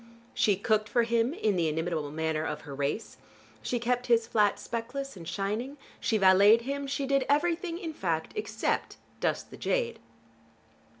She cooked for him in the inimitable manner of her race, she kept his flat speckless and shining, she valeted him, she did everything in fact except dust the jade.